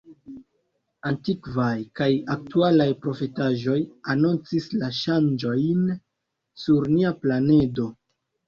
Antikvaj kaj aktualaj profetaĵoj anoncis la ŝanĝojn sur nia planedo.